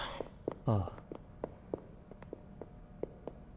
ああ。